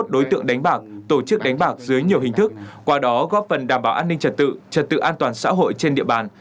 hai mươi đối tượng đánh bạc tổ chức đánh bạc dưới nhiều hình thức qua đó góp phần đảm bảo an ninh trật tự trật tự an toàn xã hội trên địa bàn